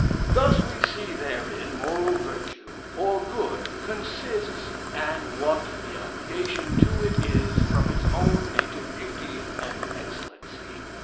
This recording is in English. Thus we see therein moral virtue, or good consists, and what the obligation to it is from its own native beauty and excellency.'"